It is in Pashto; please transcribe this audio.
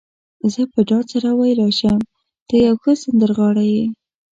زه په ډاډ سره ویلای شم، ته یو ښه سندرغاړی يې.